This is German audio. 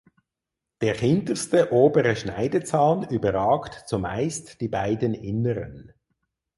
Der hinterste obere Schneidezahn überragt zumeist die beiden inneren.